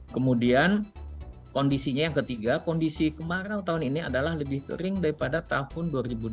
kemudian kondisinya yang ketiga kondisi kemarau tahun ini adalah lebih kering daripada tahun dua ribu dua puluh